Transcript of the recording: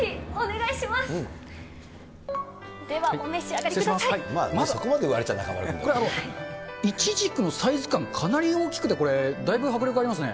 いちじくのサイズ感、かなり大きくて、だいぶ迫力ありますね。